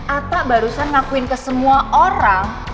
atta barusan ngakuin ke semua orang